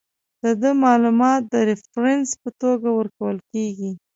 د ده معلومات د ریفرنس په توګه ورکول کیږي.